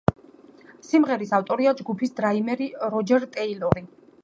სიმღერის ავტორია ჯგუფის დრამერი როჯერ ტეილორი.